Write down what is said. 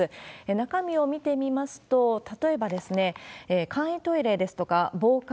中身を見てみますと、例えばですね、簡易トイレですとか防寒